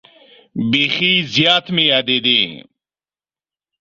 بیخي زیات مې یادېدې.